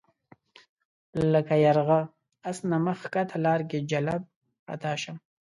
لکه یرغه آس نه مخ ښکته لار کې جلَب خطا شم